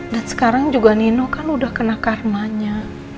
dan sekarang juga nino kan udah kena karmanya